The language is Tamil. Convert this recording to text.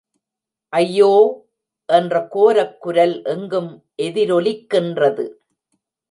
ஐயோ...... ஏன்ற கோரக் குரல் எங்கும் எதிரொலிக்கின்றது.